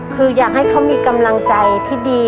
คืออยากให้เขามีกำลังใจที่ดี